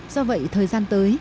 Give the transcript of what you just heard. do vậy thời gian tới